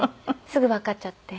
すぐわかっちゃって。